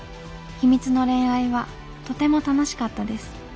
秘密の恋愛はとても楽しかったです。